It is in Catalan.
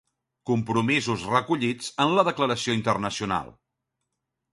Compromisos recollits en la declaració internacional.